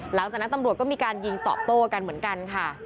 หลังจากนั้นตำรวจก็มีการยิงตอบโต้กันเหมือนกันค่ะ